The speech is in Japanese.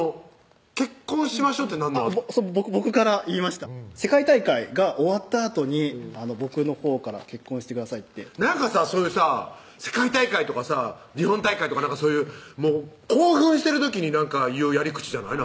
「結婚しましょう」ってなるのは僕から言いました世界大会が終わったあとに僕のほうから「結婚してください」ってなんかさそれさ世界大会とかさ日本大会とかそういう興奮してる時に言うやり口じゃない？